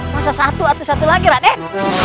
masa satu atau satu lagi raden